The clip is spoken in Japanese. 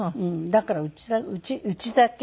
だからうちだけ。